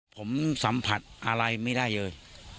ผมสัมผัสอะไรไม่ได้เลย